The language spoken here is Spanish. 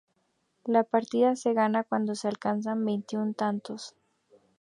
La Partida se gana cuando se alcanzan veintiún Tantos.